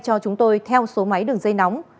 cho chúng tôi theo số máy đường dây nóng